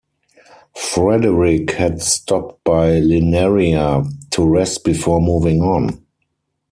Frederick had stopped by Linaria to rest before moving on.